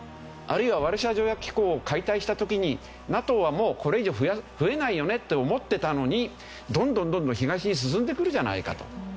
あるいはワルシャワ条約機構を解体した時にＮＡＴＯはもうこれ以上増えないよねって思ってたのにどんどんどんどん東に進んでくるじゃないかと。